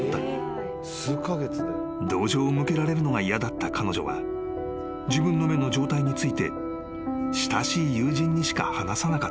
［同情を向けられるのが嫌だった彼女は自分の目の状態について親しい友人にしか話さなかった］